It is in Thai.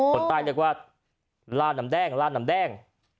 คนใต้เรียกว่าล่าน้ำแดงลาดน้ำแดง